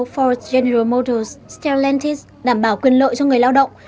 ford general motors stellantis đảm bảo quyền lợi cho người lao động